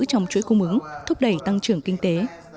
trong chuỗi cung ứng thúc đẩy tăng trưởng kinh tế